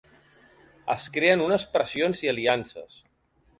Es creen unes pressions i aliances.